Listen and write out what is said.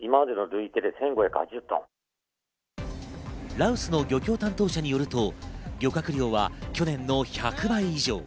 羅臼の漁業担当者によると、漁獲量は去年の１００倍以上。